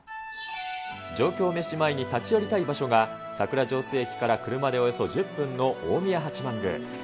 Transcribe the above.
上京メシ前に立ち寄りたい場所が、桜上水駅から車でおよそ１０分の大宮八幡宮。